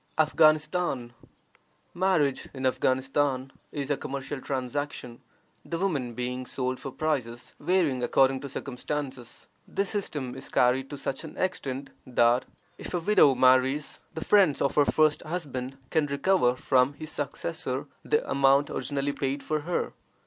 AFGHANISTAN. Marriage in Afghanistan is a commercial transaction, the women being sold for prices varying according to circumstances. This system is carried to such an extent that if a widow marries, the friends of her first husband can recover from his successor the amount originally paid for her.